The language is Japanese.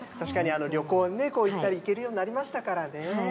確かに旅行に行けるようになりましたからね。